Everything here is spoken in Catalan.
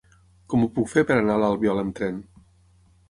Com ho puc fer per anar a l'Albiol amb tren?